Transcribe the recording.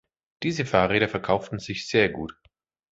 Diese Fahrräder verkauften sich sehr gut.